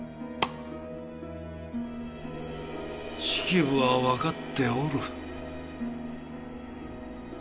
式部は分かっておる。